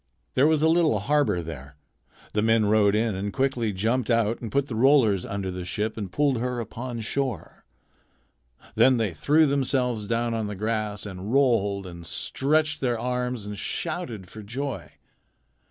There was a little harbor there. The men rowed in and quickly jumped out and put the rollers under the ship and pulled her upon shore. Then they threw themselves down on the grass and rolled and stretched their arms and shouted for joy.